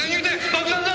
爆弾だ！